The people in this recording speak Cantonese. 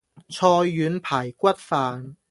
菜遠排骨飯